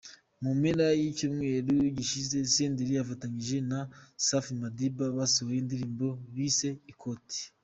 Mu mpera z’icyumweru gishize, Senderi afatanyije na Safi Madiba basohoye indirimbo bise “Ikoti”.